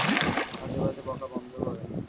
আজেবাজে বকা বন্ধ কর!